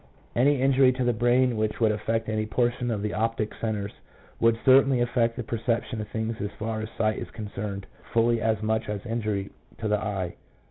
2 Any injury to the brain which would affect any portion of the optical centres would certainly affect the perception of things as far as sight is concerned fully as much as injury to the eye.